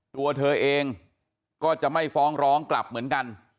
ตัวเธอเองก็จะไม่ฟ้องร้องกลับเหมือนกัน